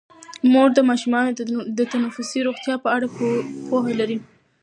مور د ماشومانو د تنفسي روغتیا په اړه پوهه لري.